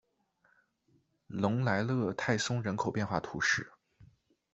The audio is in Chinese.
隆莱勒泰松人口变化图示